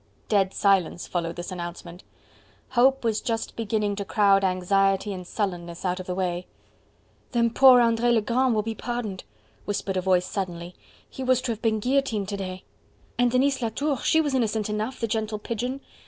Dead silence followed this announcement. Hope was just beginning to crowd anxiety and sullenness out of the way. "Then poor Andre Legrand will be pardoned," whispered a voice suddenly; "he was to have been guillotined to day." "And Denise Latour! she was innocent enough, the gentle pigeon."